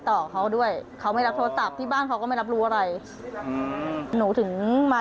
ต่อเขาด้วยเขาไม่รับโทรศัพท์ที่บ้านเขาก็ไม่รับรู้อะไรหนูถึงมา